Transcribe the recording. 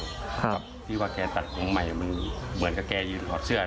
ลูกร่างครับพี่ว่าแกตัดของใหม่มันเหมือนกับแกยืนถอดเสื้อ